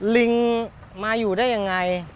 ลิงมาอยู่ได้ยังไง